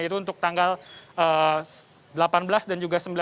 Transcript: yaitu untuk tanggal delapan belas dan juga sembilan belas